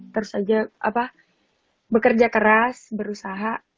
terus aja bekerja keras berusaha